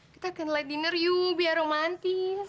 kita akan light dinner yuk biar romantis